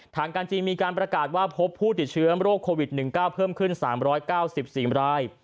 ทางการจีนมีการประกาศว่าพบผู้ติดเชื้อโรคโควิด๑๙เพิ่มขึ้น๓๙๔ราย